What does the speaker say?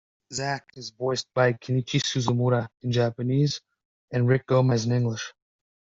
Zack is voiced by Kenichi Suzumura in Japanese and Rick Gomez in English.